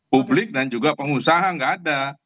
publik dan juga pengusaha nggak ada